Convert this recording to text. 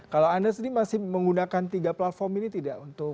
kalau anda sendiri masih menggunakan tiga platform ini tidak untuk